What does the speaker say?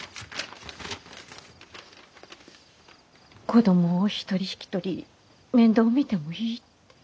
子供を１人引き取り面倒を見てもいいって。